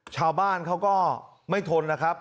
ชาวบ้านเขาก็ไม่ทนนะครับ